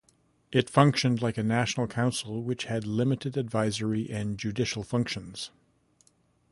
It functioned like a national council which had limited advisory and judicial functions.